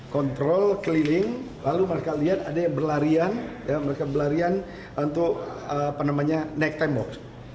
kontrol keliling lalu mereka lihat ada yang berlarian mereka berlarian untuk naik tembok